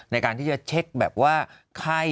ในการที่จะเช็คแบบว่าไข้